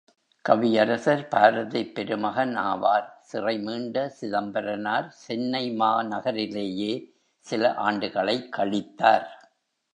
கவியரசர் பாரதிப் பெருமகன் ஆவார். சிறை மீண்ட சிதம்பரனார் சென்னை மாநகரிலேயே சில ஆண்டுகளைக் கழித்தார்.